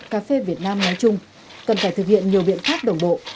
cà phê việt nam nói chung cần phải thực hiện nhiều biện pháp đồng bộ